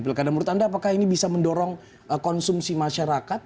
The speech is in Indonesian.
pilkada menurut anda apakah ini bisa mendorong konsumsi masyarakat